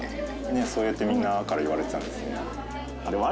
ねっそうやってみんなから言われてたんですね。